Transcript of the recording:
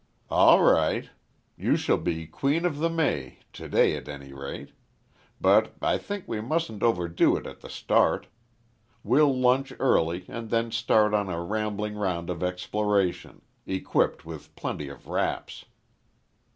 "All right. You shall be Queen of the May, to day at any rate. But I think we mustn't overdo it at the start. We'll lunch early, and then start on a rambling round of exploration equipped with plenty of wraps."